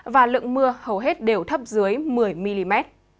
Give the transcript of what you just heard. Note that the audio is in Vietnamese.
và lượng mưa hầu hết đều thấp dưới một mươi mm